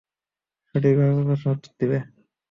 সঠিকভাবে প্রশ্নের উত্তর দিবে।